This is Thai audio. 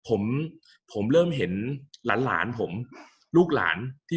กับการสตรีมเมอร์หรือการทำอะไรอย่างเงี้ย